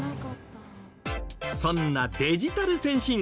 そんなデジタル先進国